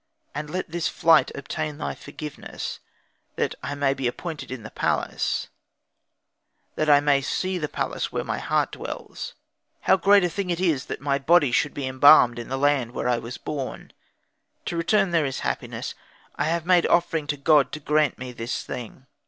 And let this flight obtain thy forgiveness; that I may be appointed in the palace; that I may see the place where my heart dwells. How great a thing is it that my body should be embalmed in the land where I was born! To return there is happiness. I have made offering to God, to grant me this thing.